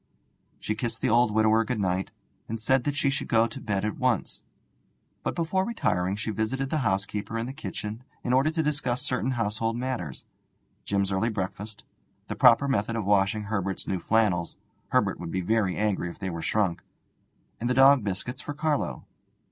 She kissed the old widower good night, and said that she should go to bed at once. But before retiring she visited the housekeeper in the kitchen in order to discuss certain household matters: Jim's early breakfast, the proper method of washing Herbert's new flannels (Herbert would be very angry if they were shrunk), and the dog biscuits for Carlo.